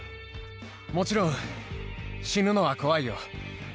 もちろん死ぬのは怖いよ。